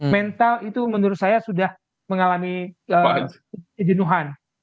mental itu menurut saya sudah mengalami jenuhan